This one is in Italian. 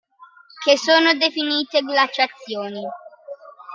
Che sono definite glaciazioni.